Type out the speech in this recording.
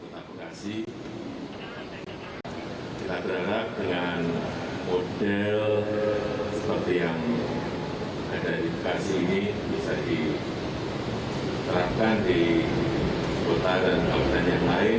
kota bekasi kita berharap dengan model seperti yang ada di bekasi ini bisa diterapkan di kota dan kabupaten yang lain